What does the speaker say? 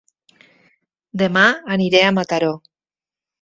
Dema aniré a Mataró